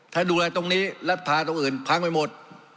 ถ้าดูแลตรงนี้รัฐพาตรงอื่นพังไปหมด